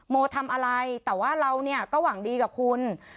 โมทำอะไรแต่ว่าเราเนี่ยก็หวังดีกับคุณ